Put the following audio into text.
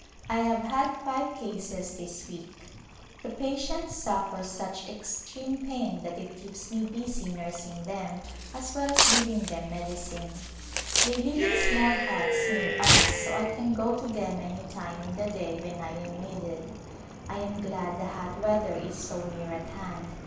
I have had five cases this week. The patients suffer such extreme pain that it keeps me busy nurs ing them as well as giving them medicine. They Return to Khetri live in small huts near us so I can go to them any time in the day when I am needed. I am glad the hot weather is so near at hand.